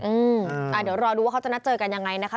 อืมอ่าเดี๋ยวรอดูว่าเขาจะนัดเจอกันอย่างไรนะคะ